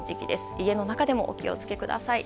家の中でもお気を付けください。